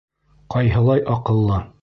Ҡайһылай аҡыллы!